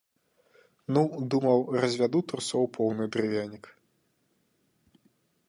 Ну, думаў, развяду трусоў поўны дрывянік.